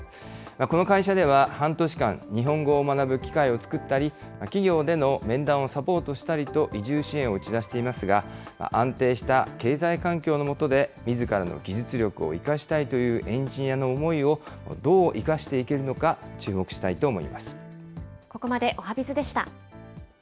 この会社では、半年間、日本語を学ぶ機会を作ったり、企業での面談をサポートしたりと、移住支援を打ち出していますが、安定した経済環境の下でみずからの技術力を生かしたいというエンジニアの思いをどう生かしていけるのか、注目したいと思います。